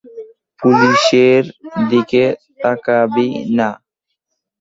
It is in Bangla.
পুলিশের দিকে তাকাবি না।